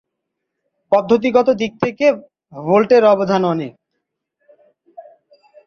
পদ্ধতি গত দিক থেকে ভোল্টের অবদান অনেক।